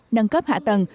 nâng cấp hạ tầng